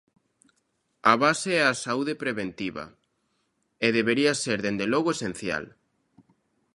A base é a saúde preventiva, e debería ser, dende logo, esencial.